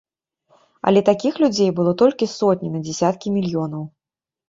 Але такіх людзей былі толькі сотні на дзесяткі мільёнаў.